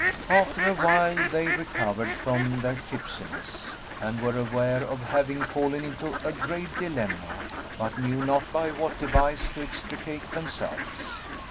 After awhile they recovered from their tipsiness and were aware of having fallen into a grave dilemma, but knew not by what device to extricate themselves.